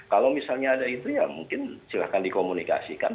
kalau misalnya ada itu ya mungkin silahkan dikomunikasikan